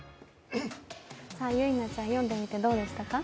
ゆいなちゃん、読んでみてどうでしたか？